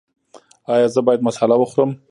ایا زه باید مساله وخورم؟